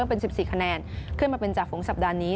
เป็น๑๔คะแนนขึ้นมาเป็นจ่าฝูงสัปดาห์นี้